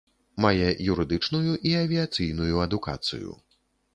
Мае юрыдычную і авіяцыйную адукацыю.